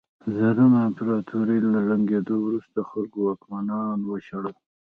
د روم امپراتورۍ له ړنګېدو وروسته خلکو واکمنان وشړل